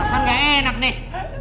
rasanya enak nih